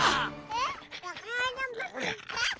えっ！